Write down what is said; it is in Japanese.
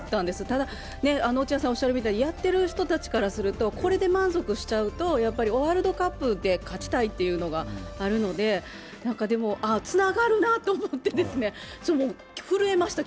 ただ、落合さんおっしゃるみたいにやっている人たちからすると、これで満足しちゃうとワールドカップで勝ちたいというのがあるのででもつながるなと思って、昨日、震えました。